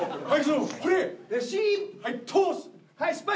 はい。